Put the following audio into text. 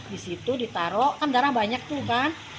di situ ditaruh kan darah banyak tuh kan